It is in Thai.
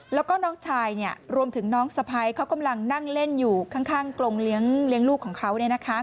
แล้วก็น้องชายรวมถึงน้องสะพ้ายเขากำลังนั่งเล่นอยู่ข้างกรงเลี้ยงลูกของเขา